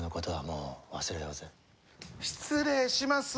失礼します。